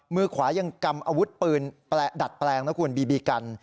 มือขวายังกำอาวุธปืนดัดแปลงนะคุณบีบีกัน